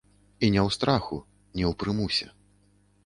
І не ў страху, не ў прымусе.